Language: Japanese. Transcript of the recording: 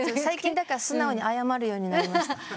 最近だから素直に謝るようになりました。